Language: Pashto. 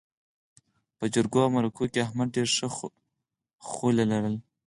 په جرګو او مرکو کې احمد ډېره ښه خوله لري.